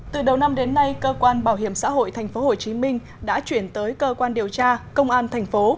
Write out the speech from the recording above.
từ đầu năm đến nay cơ quan bảo hiểm xã hội tp hcm đã chuyển tới cơ quan điều tra công an thành phố